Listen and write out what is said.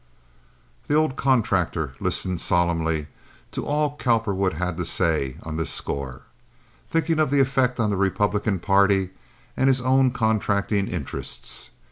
The old contractor listened solemnly to all Cowperwood had to say on this score, thinking of the effect on the Republican party and his own contracting interests.